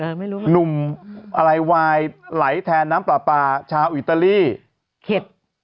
ไม่รู้หนุ่มอะไรวายไหลแทนน้ำปลาปลาชาวอิตาลีเห็ด